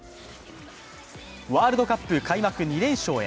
ワールドカップ開幕２連勝へ。